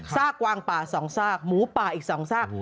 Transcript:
ซากกวางป่า๒ซากหมูป่าอีก๒ซาก